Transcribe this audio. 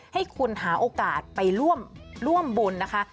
ให้คุณหาโอกาสไปร่วมบุญนะคะ